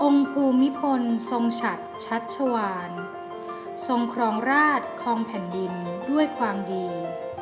ภูมิพลทรงฉัดชัชวานทรงครองราชครองแผ่นดินด้วยความดี